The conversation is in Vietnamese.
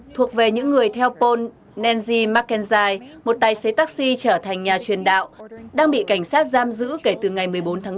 thuộc về những người theo pol nenzy mccainzai một tài xế taxi trở thành nhà truyền đạo đang bị cảnh sát giam giữ kể từ ngày một mươi bốn tháng bốn